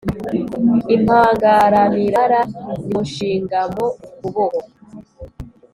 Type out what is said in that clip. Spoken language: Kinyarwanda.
impangaramirara nywushingamo ukuboko,